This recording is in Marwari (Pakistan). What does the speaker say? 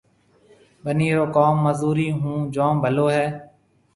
ٻنِي رو ڪوم مزُورِي هون جوم ڀلو هيَ۔